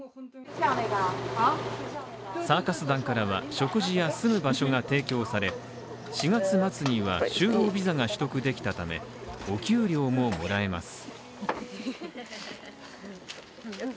サーカス団からは食事や住む場所が提供され、４月末には就労ビザが取得できたため、お給料ももらえます。